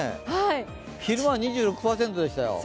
昼間は２６％でしたよ。